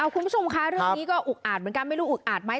คุณผู้ชมคะเรื่องนี้ก็อุกอาจเหมือนกันไม่รู้อุกอาจไหม